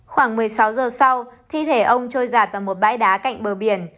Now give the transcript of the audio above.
khoảng một mươi sáu giờ sau thi thể ông trôi giạt vào một bãi đá cạnh bờ biển